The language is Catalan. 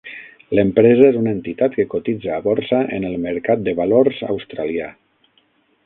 L'empresa és una entitat que cotitza a borsa en el Mercat de Valors Australià.